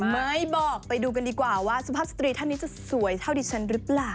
ไม่บอกไปดูกันดีกว่าว่าสุภาพสตรีท่านนี้จะสวยเท่าดิฉันหรือเปล่า